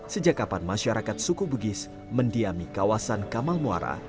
sejak kapan masyarakat suku bugis mendiami kawasan kamal muara